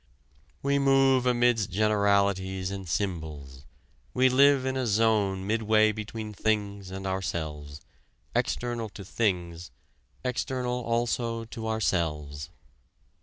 "We move amidst generalities and symbols ... we live in a zone midway between things and ourselves, external to things, external also to ourselves."